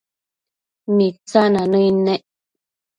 Mitsina nëid nec